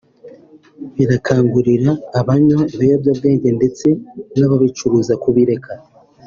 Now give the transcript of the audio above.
barakangurira abanywa ibiyobyabwenge ndetse n’ababicuruza kubireka